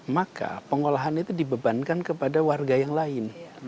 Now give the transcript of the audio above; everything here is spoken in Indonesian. maka pengolahan itu dibebankan kepada warga yang lain